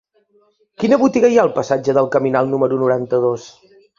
Quina botiga hi ha al passatge del Caminal número noranta-dos?